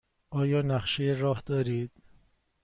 آیا نقشه راه دارید؟